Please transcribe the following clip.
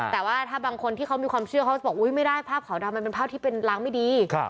แต่ว่าถ้าบางคนที่เขามีความเชื่อเขาจะบอกอุ๊ยไม่ได้ภาพขาวดำมันเป็นภาพที่เป็นล้างไม่ดี